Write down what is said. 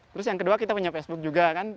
terus yang kedua kita punya facebook juga kan